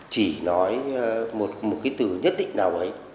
chỉ nói một cái từ nhất định nào ấy